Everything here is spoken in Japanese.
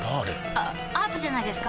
あアートじゃないですか？